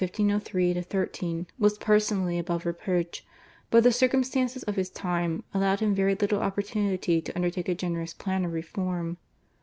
(1503 13) was personally above reproach, but the circumstances of his time allowed him very little opportunity to undertake a generous plan of reform.